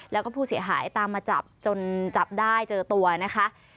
แล้วก็ผู้เสียหายตามมาจับจนจับได้เจอตัวนะคะ